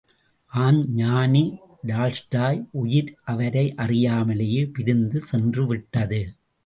ஆம் ஞானி டால்ஸ்டாய் உயிர் அவரை அறியாமலேயே பிரிந்து சென்றுவிட்டது!